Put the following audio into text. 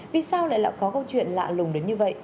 vì sao lại có câu chuyện lạ lùng đến như vậy